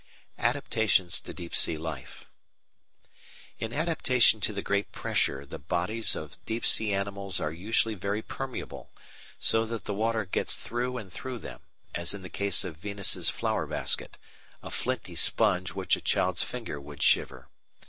Adaptations to Deep sea Life In adaptation to the great pressure the bodies of deep sea animals are usually very permeable, so that the water gets through and through them, as in the case of Venus' Flower Basket, a flinty sponge which a child's finger would shiver.